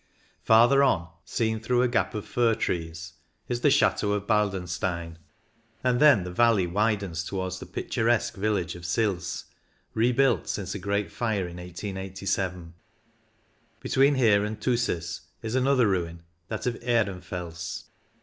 Farther on, seen through a gap of fir trees, is the Chateau of Baldenstein, and then the valley widens towards the picturesque village of Sils, rebuilt since a great fire in 1887. Between here and Thusis is another ruin, that of Ehrenfels.